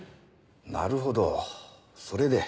なるほどそれで。